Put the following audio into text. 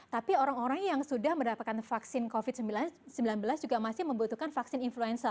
tapi orang orang yang sudah mendapatkan vaksin covid sembilan belas juga masih membutuhkan vaksin influenza